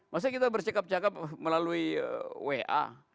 maksudnya kita bersikap cakap melalui wa